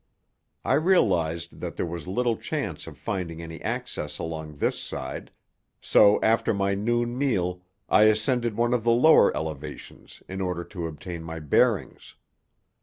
I realized that there was little chance of finding any access along this side, so after my noon meal I ascended one of the lower elevations in order to obtain my bearings.